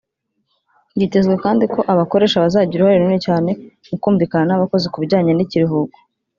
Byitezwe kandi ko abakoresha bazagira uruhare runini cyane mu kumvikana n’abakozi ku bijyanye n’ikiruhuko